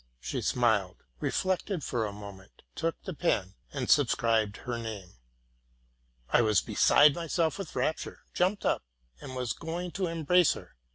She smiled, reflected for a moment, took the pen, and subscribed her name. I was beside myself with rapture, jumped up, and was going to embrace her.